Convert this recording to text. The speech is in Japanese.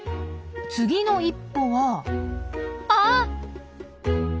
次の一歩はあっ！